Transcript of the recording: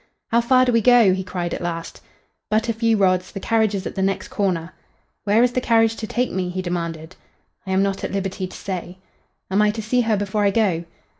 "How far do we go?" he cried, at last. "But a few rods. The carriage is at the next corner." "Where is the carriage to take me?" he demanded. "I am not at liberty to say." "Am I to see her before I go?"